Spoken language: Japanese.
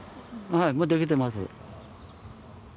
はい、もうできてます。